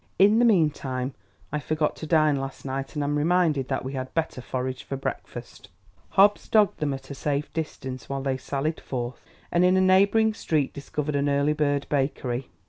In the meantime, I forgot to dine last night, and am reminded that we had better forage for breakfast." Hobbs dogged them at a safe distance while they sallied forth and in a neighboring street discovered an early bird bakery.